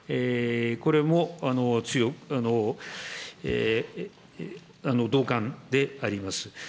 これも強く、同感であります。